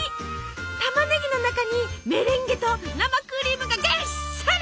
たまねぎの中にメレンゲと生クリームがぎっしり！